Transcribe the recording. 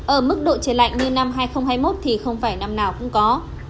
ở mức độ trời lạnh như năm hai nghìn hai mươi một thì không phải năm nào cũng có